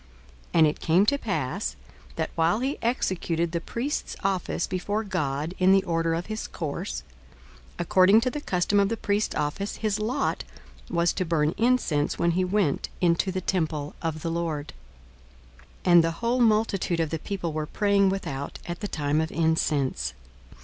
42:001:008 And it came to pass, that while he executed the priest's office before God in the order of his course, 42:001:009 According to the custom of the priest's office, his lot was to burn incense when he went into the temple of the Lord. 42:001:010 And the whole multitude of the people were praying without at the time of incense.